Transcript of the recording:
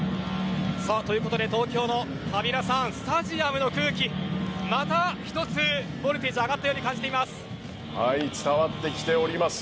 ということで東京のカビラさんスタジアムの空気がまた１つボルテージが伝わってきております。